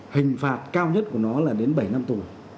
hình phạt cao nhất của nó là đến bảy năm tù